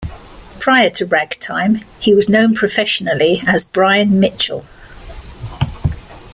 Prior to "Ragtime", he was known professionally as Brian Mitchell.